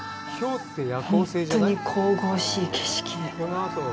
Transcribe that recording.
本当に神々しい景色で。